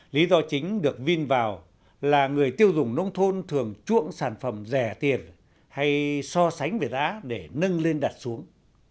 lý do chính được vin vào là người tiêu dùng nông thôn thường chuộng sản phẩm rẻ tiền hay so sánh về giá để nâng lên đặt xuống